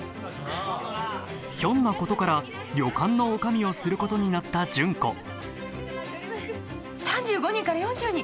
ひょんなことから旅館の女将をすることになった純子３５人から４０人？